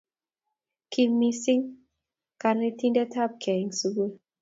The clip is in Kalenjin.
ki iim mising karotenekabgei eng sukul